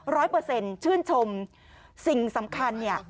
เปอร์เซ็นต์ชื่นชมสิ่งสำคัญเนี่ย